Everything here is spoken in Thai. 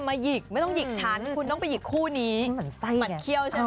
หยิกไม่ต้องหยิกฉันคุณต้องไปหยิกคู่นี้มันเขี้ยวใช่ไหม